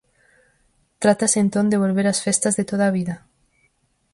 Trátase entón de volver ás festas de toda a vida?